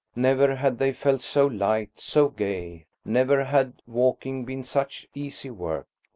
Never had they felt so light, so gay, never had walking been such easy work.